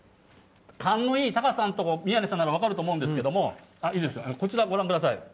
勘のいいタカさんとか宮根さんとかなら分かると思うんですけれども、こちら、ご覧ください。